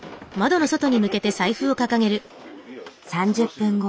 ３０分後。